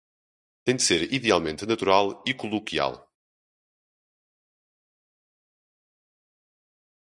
Tem de ser idealmente natural e coloquial.